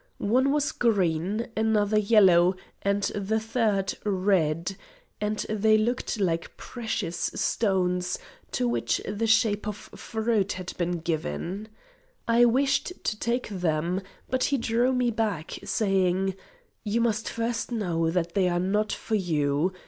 One was green, another yellow, and the third red, and they looked like precious stones, to which the shape of fruit had been given. I wished to take them, but he drew me back, saying, "You must first know, that they are not for you.